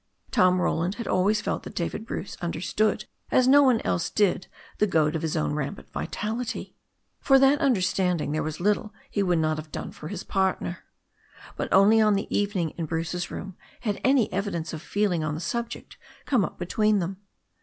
Tom Roland had always felt that David Bruce understood as no one else did the goad of his own rampant vitality. For that understanding there was little he would not have done for his partner. But only on the evening in Bruce's room had any evidence of feeling on the subject come up between them.